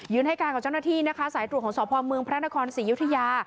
ให้การกับเจ้าหน้าที่นะคะสายตรวจของสพเมืองพระนครศรียุธยา